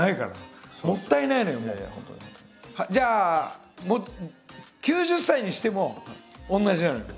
じゃあ９０歳にしても同じなのよ。